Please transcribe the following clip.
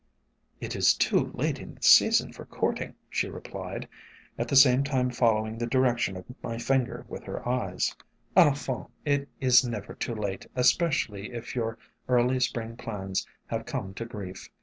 "It is too late in the season for courting," she 148 SOME HUMBLE ORCHIDS replied, at the same time following the direction of my finger with her eyes. "Infant, it is never too late, especially if your early Spring plans have come to grief.